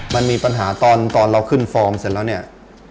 มันมีปัญหาตอนเราขึ้นฟอร์มเสร็จแล้วเนี่ย